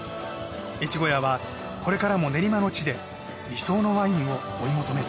越後屋はこれからも練馬の地で理想のワインを追い求める。